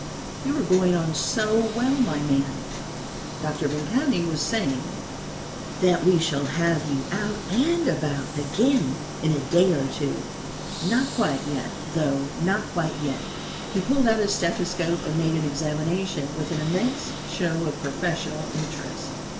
"You are going on so well, my man," Doctor Vimpany was saying, "That we shall have you out and about again in a day or two. Not quite yet, though not quite yet," he pulled out his stethoscope and made an examination with an immense show of professional interest.